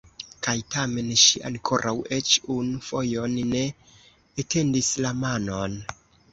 Kaj tamen ŝi ankoraŭ eĉ unu fojon ne etendis la manon.